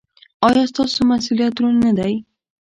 ایا ستاسو مسؤلیت دروند نه دی؟